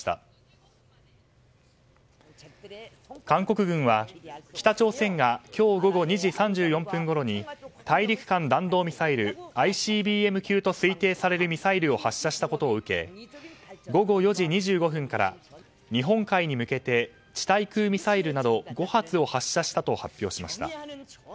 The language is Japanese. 韓国軍は北朝鮮が今日午後２時３４分ごろに大陸間弾道ミサイル・ＩＣＢＭ級と推定されるミサイルを発射したことを受け午後４時２５分から日本海に向けて地対空ミサイルなど５発を発射したと発表しました。